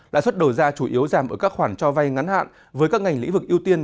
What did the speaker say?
lãi suất đổi ra chủ yếu giảm ở các khoản cho vai ngắn hạn với các ngành lĩ vực ưu tiên